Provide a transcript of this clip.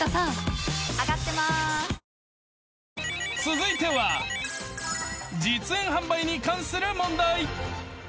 ［続いては実演販売に関する問題］